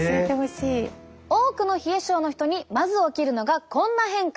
多くの冷え症の人にまず起きるのがこんな変化。